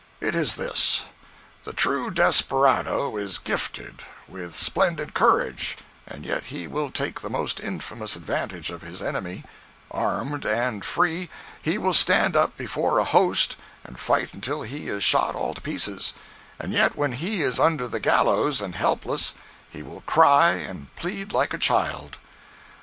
It is this. The true desperado is gifted with splendid courage, and yet he will take the most infamous advantage of his enemy; armed and free, he will stand up before a host and fight until he is shot all to pieces, and yet when he is under the gallows and helpless he will cry and plead like a child.